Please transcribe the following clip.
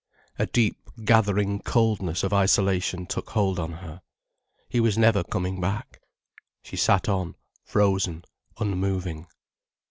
A deep, gathering coldness of isolation took hold on her. He was never coming back. She sat on, frozen, unmoving.